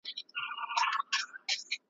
هره ورځ به زموږ خپلوان پکښي بندیږی ,